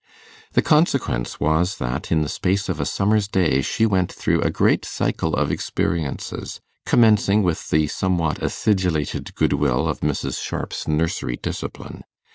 The consequence was, that in the space of a summer's day she went through a great cycle of experiences, commencing with the somewhat acidulated goodwill of Mrs. Sharp's nursery discipline.